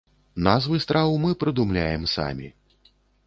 Назвы страў мы прыдумляем самі.